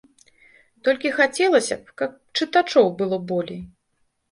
Толькі хацелася б, каб чытачоў было болей.